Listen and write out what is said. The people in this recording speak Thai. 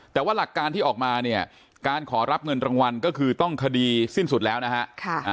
แต่ว่าหลักการที่ออกมาเนี่ยการขอรับเงินรางวัลก็คือต้องคดีสิ้นสุดแล้วนะฮะ